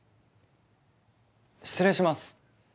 失礼します。